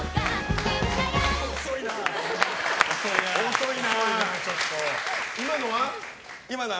遅いなあ！